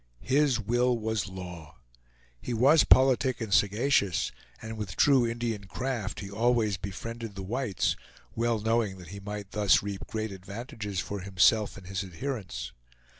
His will was law. He was politic and sagacious, and with true Indian craft he always befriended the whites, well knowing that he might thus reap great advantages for himself and his adherents.